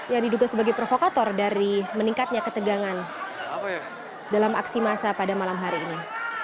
yang diduga sebagai provokator dari meningkatnya ketegangan dalam aksi masa pada malam hari ini